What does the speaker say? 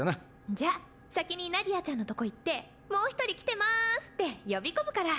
じゃ先にナディアちゃんのとこ行って「もう１人来てまーす」って呼び込むから。